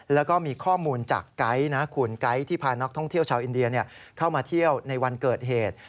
แล้วก็มีข้อมูลจากไก๊นะคุณไก๊ที่พานักท่องเที่ยวชาวอินเดียเข้ามาเที่ยวในวันเกิดเหตุ